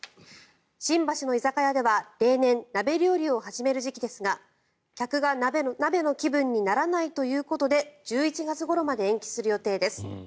新橋の居酒屋では例年鍋料理を始める時期ですが客が鍋の気分にならないということで１１月ごろまで延期する予定です。